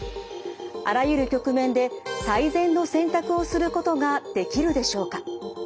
あらゆる局面で最善の選択をすることができるでしょうか。